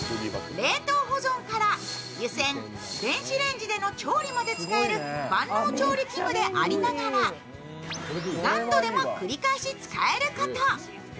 冷凍保存から湯せん、電子レンジでの調理まで使える万能調理器具でありながら何度でも繰り返し使えること。